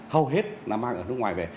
hầu hết là mang từ nước ngoài về